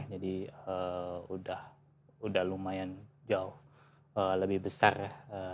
jadi udah lumayan jauh lebih besar ya